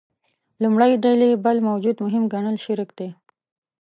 لومړۍ ډلې بل موجود مهم ګڼل شرک دی.